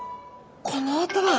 この音は。